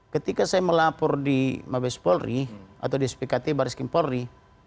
ketika saya melapor di mabes polri atau di spkt baris kimpori